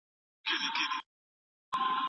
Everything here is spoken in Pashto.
د پوسته خانې نیمه ړنګه ټاپه په ماشین لیدل کیږي.